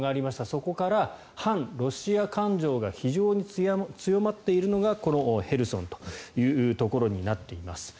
そこから反ロシア感情が非常に強まっているのがこのヘルソンというところになっています。